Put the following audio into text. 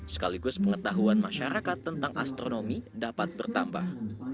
sekaligus pengetahuan masyarakat tentang astronomi dapat bertambah